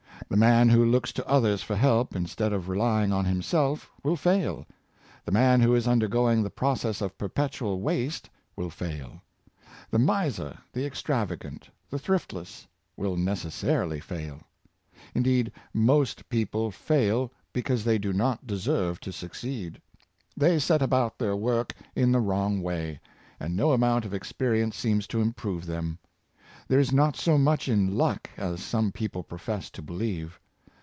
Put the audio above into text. The man who looks to others for help, instead of rely ing on himself, will fail. The man who is undergoing the process of perpetual waste will fail. The miser, the extravagant, the thriftless, will necessarily fail. In deed, most people fail because they do not deserve to succeed. They set about their work in the wrong way, and no amount of experience seems to improve them. There is not so much in luck as some people profess to believe.